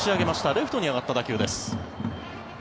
レフトに上がった打球です。